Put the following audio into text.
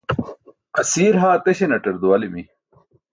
asiir haa teśanaṭar duwalimi